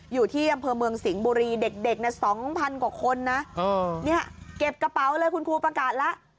อยู่ที่อำเภอเมืองสิงห์บุรีเด็ก๒๐๐กว่าคนนะเนี่ยเก็บกระเป๋าเลยคุณครูประกาศแล้ว